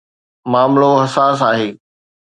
معاملو حساس آهي.